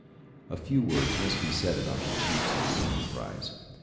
A few words must be said about the chiefs of the enterprise.